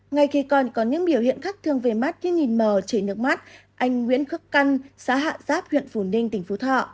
ngay khi còn có những biểu hiện khác thường về mắt như nhìn mờ chảy nước mắt anh nguyễn khức căn xã hạ giáp huyện phủ ninh tỉnh phú thọ